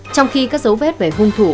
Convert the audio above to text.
trong khi các dấu vết về hung thủ